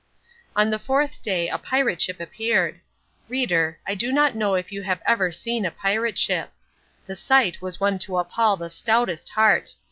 On the fourth day a pirate ship appeared. Reader, I do not know if you have ever seen a pirate ship. The sight was one to appal the stoutest heart.